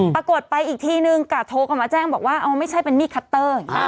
ปรากฏไปอีกทีนึงกะโทรกลับมาแจ้งบอกว่าเอาไม่ใช่เป็นมีดคัตเตอร์